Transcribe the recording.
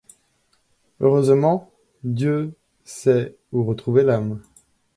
Heureusement Dieu sait où retrouver l'âme.